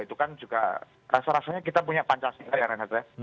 itu kan juga rasa rasanya kita punya pancasila ya renat ya